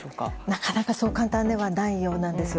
なかなかそう簡単ではないようなんです。